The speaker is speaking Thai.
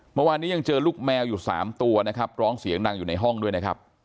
เมื่อวานนี้ยังเจอลูกแมวอยู่๓ตัวนะครับร้องเสียงดังอยู่ในห้องด้วยนะครับ